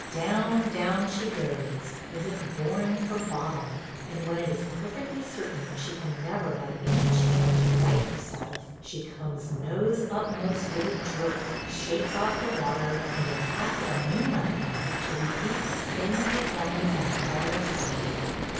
Down, down she goes, as if boring for bottom, and when it is perfectly certain that she can never by any chance right herself, she comes nose upmost with a jerk, shakes off the water, and attack a new mountain, to repeat the same performance on the farther side.